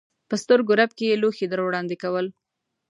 په سترګو رپ کې یې لوښي در وړاندې کول.